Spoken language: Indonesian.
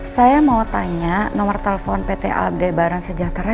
saya mau tanya nomor telepon pt aldebaran sejahtera